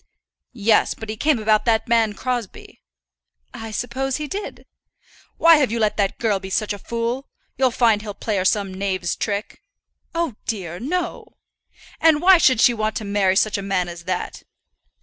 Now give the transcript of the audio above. "Yes; but he came about that man Crosbie." "I suppose he did." "Why have you let that girl be such a fool? You'll find he'll play her some knave's trick." "Oh dear, no." "And why should she want to marry such a man as that?"